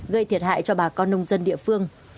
gây thiệt hại cho bà con nông dân địa phương